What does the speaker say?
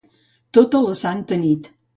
Tota la santa nit.